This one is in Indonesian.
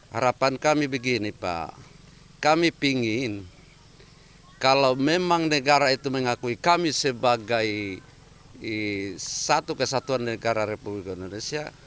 harapan kami begini pak kami ingin kalau memang negara itu mengakui kami sebagai satu kesatuan negara republik indonesia